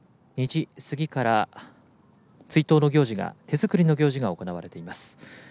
２時過ぎから追悼の手作りの行事が行われています。